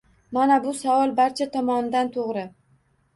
Mana bu savol barcha tomonidan to’g’ri